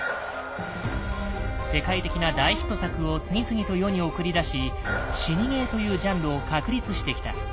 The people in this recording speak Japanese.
世界的な大ヒット作を次々と世に送り出し「死にゲー」というジャンルを確立してきた。